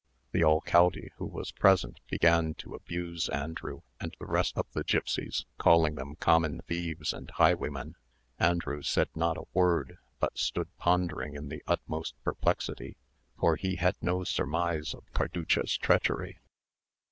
The alcalde, who was present, began to abuse Andrew and the rest of the gipsies, calling them common thieves and highwaymen. Andrew said not a word, but stood pondering in the utmost perplexity, for he had no surmise of Carducha's treachery.